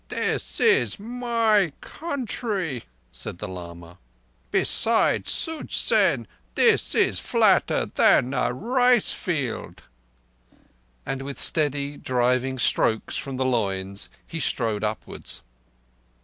"This is my country," said the lama. "Beside Such zen, this is flatter than a rice field"; and with steady, driving strokes from the loins he strode upwards.